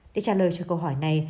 để trả lời cho câu hỏi này